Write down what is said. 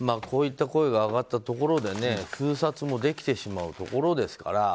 こういった声が上がったところで封殺もできてしまうところですから。